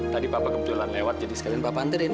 tadi papa kebetulan lewat jadi sekalian papa anterin